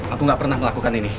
aku gak pernah melakukan ini